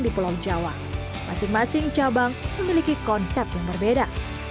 di pulau jawa masing masing cabang memiliki konsep yang berbeda